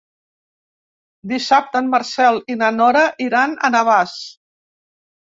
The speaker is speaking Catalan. Dissabte en Marcel i na Nora iran a Navàs.